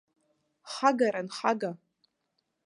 Хагаран, хага!